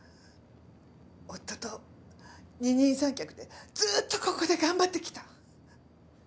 夫と二人三脚でずっとここで頑張ってきた。